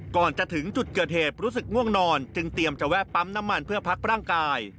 ก่อนจะถึงจุดเกิดเหตุรู้สึกง่วงนอนจึงเตรียมจะแวะปั๊มน้ำมันเพื่อพักร่างกาย